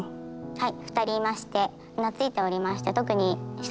はい。